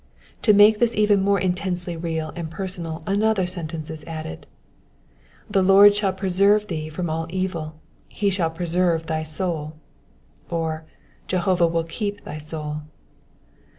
To make this even more intensely real and personal another sentence is added, "TA^ Lord shall preserte thee from all evil: he shall preserve thy soul,^^ — or Jehovah will keep thy soul.